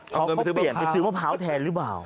เขาเข้าเปลี่ยนไปซื้อมะพร้าวแทนหรือเปล่า